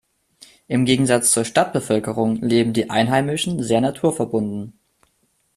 Im Gegensatz zur Stadtbevölkerung leben die Einheimischen sehr naturverbunden.